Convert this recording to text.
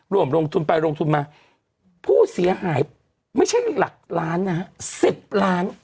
รวมลงทุนไปลงทุนมาผู้เสียหายไม่ใช่หลักล้านนะฮะ๑๐ล้าน